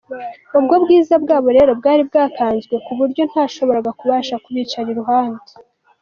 Ubwo bwiza bwabo rero bwari bwankanze ku buryo ntashoboraga kubasha kubicara iruhande.